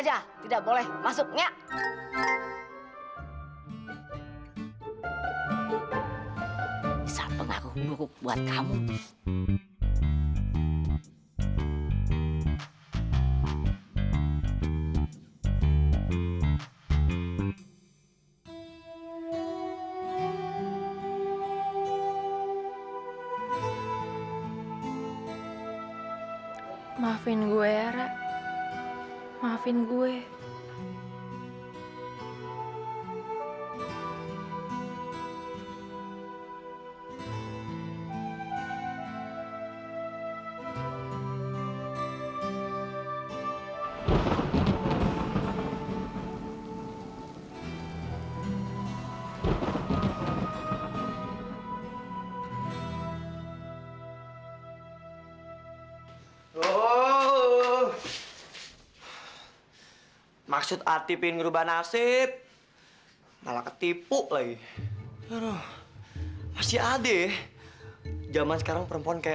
tapi opi juga gak mau jadi temen aku lagi gimana dong